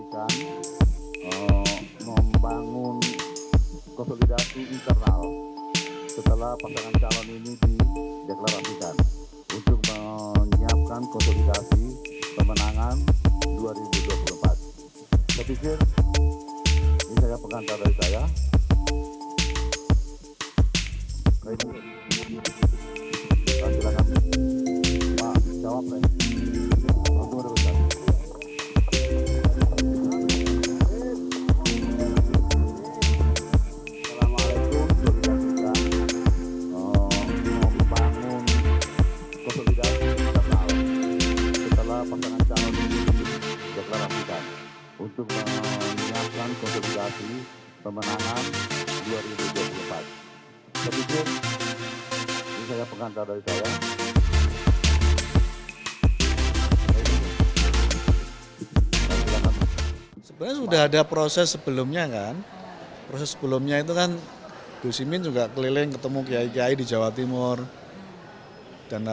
konsolidasi kan membangun konsolidasi internal setelah panggangan calon ini di deklarasikan